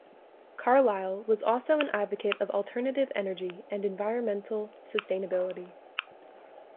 Carlisle was also an advocate of alternative energy and environmental sustainability.